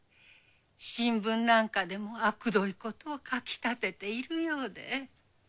新聞なんかでもあくどいことを書きたてているようで。